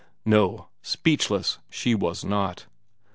No, speechless she was not.